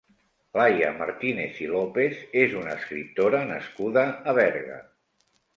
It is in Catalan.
Laia Martinez i Lopez és una escriptora nascuda a Berga.